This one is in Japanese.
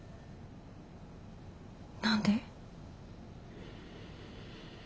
何で？